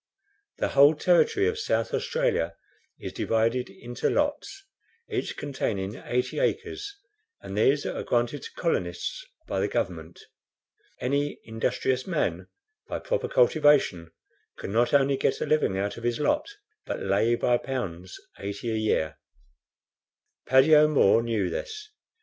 The whole territory of South Australia is divided into lots, each containing eighty acres, and these are granted to colonists by the government. Any industrious man, by proper cultivation, can not only get a living out of his lot, but lay by pounds 80 a year. Paddy O'Moore knew this.